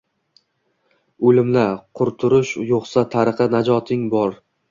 Oʻlim-la qurtulush yoʻqsa tariqi najoting bor?